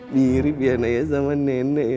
mirip ya anaknya sama nenek